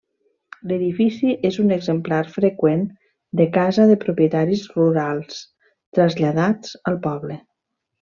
L'edifici és un exemplar freqüent de casa de propietaris rurals, traslladats al poble.